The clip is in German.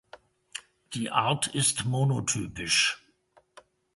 Die Art ist monotypisch.